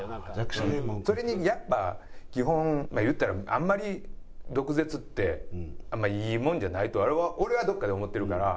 それにやっぱ基本言ったらあんまり毒舌ってあんまりいいもんじゃないと俺はどっかで思ってるから。